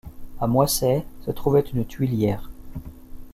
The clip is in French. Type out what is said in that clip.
À Moissey se trouvait une tuilière.